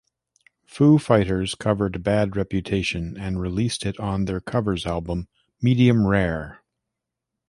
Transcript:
Foo Fighters covered "Bad Reputation" and released it on their covers album, "Medium Rare".